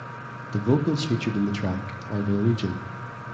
The vocals featured in the track are Norwegian.